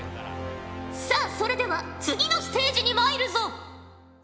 さあそれでは次のステージに参るぞ！